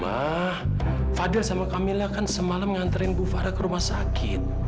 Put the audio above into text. mak fadil sama kamila kan semalam nganterin bu farah ke rumah sakit